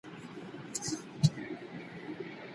د تورو نښلول د کلمو د جوړولو لومړی ګام دی.